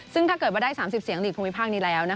ซึ่งถ้าเกิดว่าได้๓๐เสียงหลีกภูมิภาคนี้แล้ว